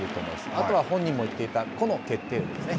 あとは本人も言っていた、個の決定力ですね。